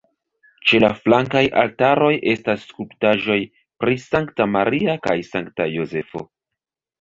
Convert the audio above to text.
Ĉe la flankaj altaroj estas skulptaĵoj pri Sankta Maria kaj Sankta Jozefo.